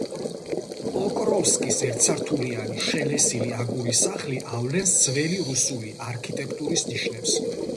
პოკროვსკის ერთსართულიანი, შელესილი, აგურის სახლი ავლენს ძველი რუსული არქიტექტურის ნიშნებს.